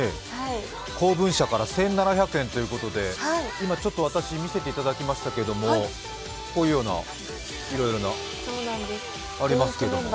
光文社から１７００円ということで今ちょっと私、見せていただきましたけれども、こういうような、いろいろなありますけれども。